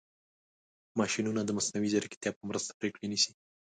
ماشینونه د مصنوعي ځیرکتیا په مرسته پرېکړې نیسي.